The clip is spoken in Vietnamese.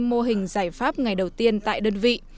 mô hình giải pháp ngày đầu tiên tại đơn vị